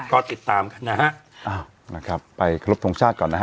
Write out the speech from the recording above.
ก็ติดตามค่ะนะฮะค่ะไปฆ่าลบทรงชาติก่อนนะฮะ